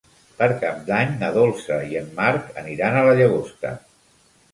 Per Cap d'Any na Dolça i en Marc aniran a la Llagosta.